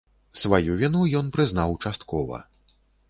Сваю віну ён прызнаў часткова.